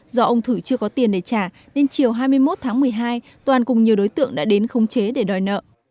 do ông thử chưa có tiền để trả nên chiều hai mươi một tháng một mươi hai toàn cùng nhiều đối tượng đã đến khống chế để đòi nợ